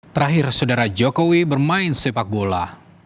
terakhir saudara jokowi bermain sepak bola